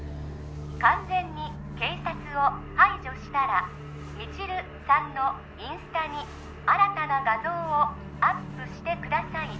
完全に警察を排除したら未知留さんのインスタに新たな画像をアップしてください